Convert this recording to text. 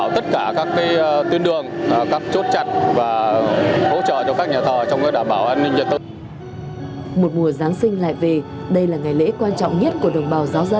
để kịp thời chuẩn bị cho công tác đảm bảo an ninh trật tự an toàn giao thông trong dịp lễ